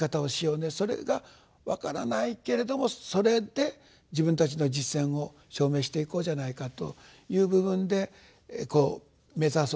それが分からないけれどもそれで自分たちの実践を証明していこうじゃないかという部分で目指そうとしてる。